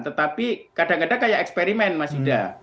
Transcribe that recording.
tetapi kadang kadang kayak eksperimen mas yuda